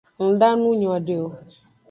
Nda nu nyode o.